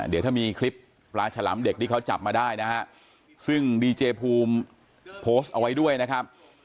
เดี๋ยวถ้ามีคลิปปลาฉลามเด็กที่เขาจับมาได้นะฮะซึ่งดีเจภูมิโพสต์เอาไว้ด้วยนะครับ